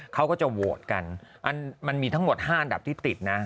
เขาก็จะโหวตกันมันมีทั้งหมด๕อันดับที่ติดนะ